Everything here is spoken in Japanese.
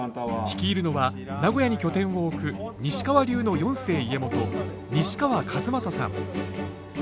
率いるのは名古屋に拠点を置く西川流の四世家元西川千雅さん。